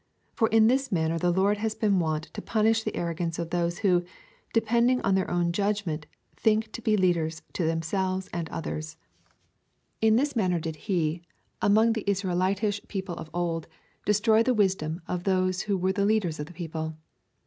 For in this manner the Lord has been wont to punish the arrogance of those who, depending on their own judgment, think to be leaders to themselves and others. In this manner did He, CHAP. I. 1 9. FIRST EPISTLE TO THE CORINTHIANS. 79 among the Israelitish people of old, destroy the wisdom of those who were the leaders of the people.